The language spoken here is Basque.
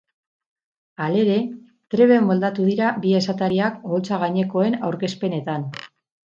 Halere, trebe moldatu dira bi esatariak oholtza gainekoen aurkezpenetan.